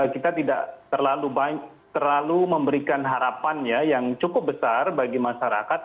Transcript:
kita tidak terlalu memberikan harapan yang cukup besar bagi masyarakat